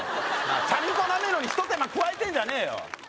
チャリンコなめんのにひと手間加えてんじゃねえよ